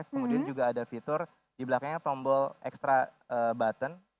kemudian juga ada fitur di belakangnya tombol extra button